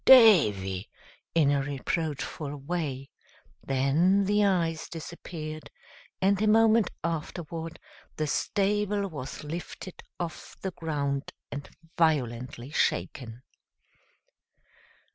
Davy!" in a reproachful way; then the eyes disappeared, and a moment afterward the stable was lifted off the ground and violently shaken.